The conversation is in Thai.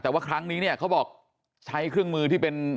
แต่ว่าครั้งนี้เนี่ยเขาบอกใช้เครื่องมือที่เป็น